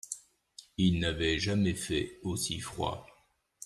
Il n'avait jamais fait aussi froid.